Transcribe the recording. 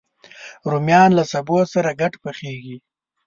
رومیان له سبو سره ګډ پخېږي